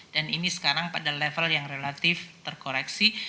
dan ini sekarang pada level yang relatif terkoreksi